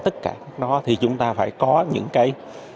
tất cả đó thì chúng ta phải có những cái